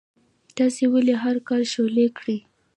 تاسو ولې هر کال شولې کرئ؟